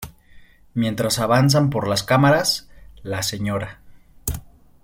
Mientras avanzan por las cámaras, la Sra.